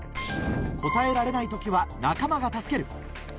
答えられない時は仲間が助ける